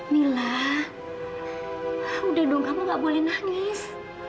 mila udah dong kamu nggak boleh nangis